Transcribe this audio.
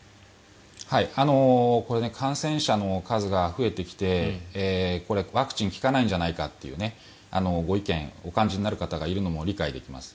これ感染者の数が増えてきてワクチンが効かないんじゃないかというご意見をお感じになる方がいるのも理解できます。